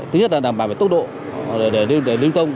thứ nhất là đảm bảo về tốc độ để lưng tông